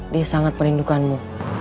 dia sangat merindukanmu